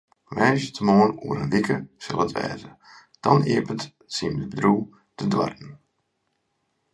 Woansdeitemoarn oer in wike sil it wêze, dan iepenet syn bedriuw de doarren.